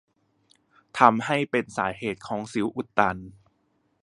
ทำให้เป็นสาเหตุของสิวอุดตัน